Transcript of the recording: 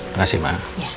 terima kasih ma